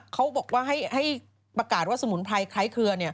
เขาบอกว่าให้ประกาศว่าสมุนไพรคล้ายเครือ